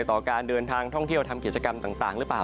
ต่อการเดินทางท่องเที่ยวทำกิจกรรมต่างหรือเปล่า